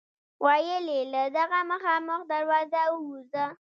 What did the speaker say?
ویل یې له دغه مخامخ دروازه ووځه.